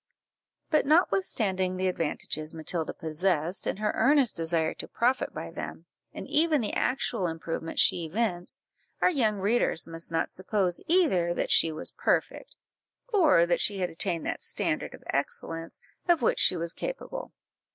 But notwithstanding the advantages Matilda possessed, and her earnest desire to profit by them, and even the actual improvement she evinced, our young readers must not suppose either that she was perfect, or that she had attained that standard of excellence of which she was capable.